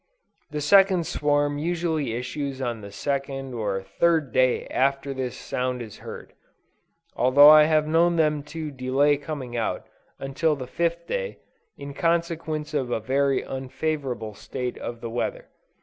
The second swarm usually issues on the second or third day after this sound is heard: although I have known them to delay coming out, until the fifth day, in consequence of a very unfavorable state of the weather.